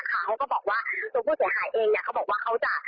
เขาก็บอกว่าตัวผู้เสียหายเองเนี่ยเขาบอกว่าเขาจะ